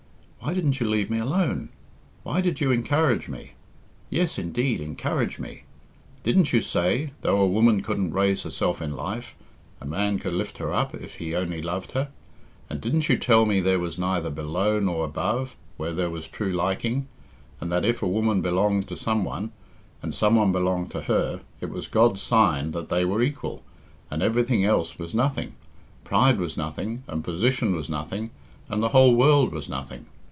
Why didn't you leave me alone? Why did you encourage me? Yes, indeed, encourage me! Didn't you say, though a woman couldn't raise herself in life, a man could lift her up if he only loved her? And didn't you tell me there was neither below nor above where there was true liking, and that if a woman belonged to some one, and some one belonged to her, it was God's sign that they were equal, and everything else was nothing pride was nothing and position was nothing and the whole world was nothing?